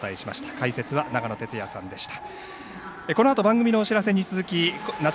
解説は長野哲也さんでした。